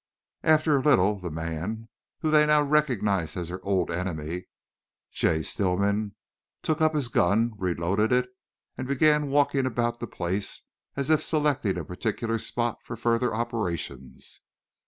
After a little the man, whom they now recognized as their old enemy, Jay Stillman, took up his gun, reloaded it, and then began walking about the place as if selecting a particular spot for further operations.